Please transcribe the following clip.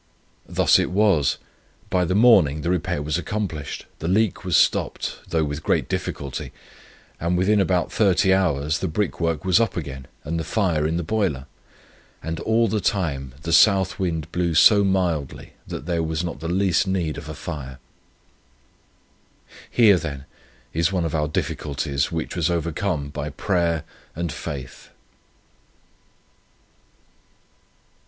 Thus it was: by the morning the repair was accomplished, the leak was stopped, though with great difficulty, and within about 30 hours the brickwork was up again, and the fire in the boiler; and all the time the south wind blew so mildly, that there was not the least need of a fire. "Here, then, is one of our difficulties which was overcome by prayer and faith."